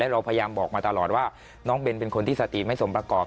เราพยายามบอกมาตลอดว่าน้องเบนเป็นคนที่สติไม่สมประกอบ